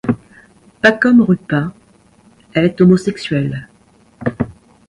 Pacôme Rupin est homosexuel.